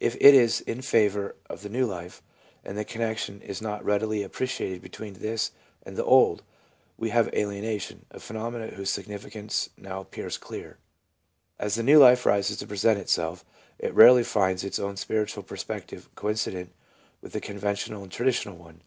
If it is in favour of the new life, and the connection is not readily appreci ated between this and the old, we have alienation, a phenomenon whose significance now appears clear. As the new life rises to present itself, it rarely finds its own spiritual perspective coincident with the con ventional and traditional one.